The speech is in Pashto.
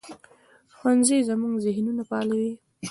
ښوونځی زموږ ذهنونه فعالوي